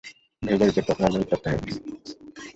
ভেজা উইকেট প্রখর আলোয় উত্তপ্ত হয়ে উঠে।